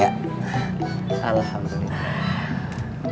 makasih bang ya